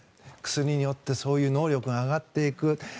薬によってそういう能力が上がっていく。